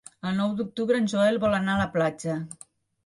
El nou d'octubre en Joel vol anar a la platja.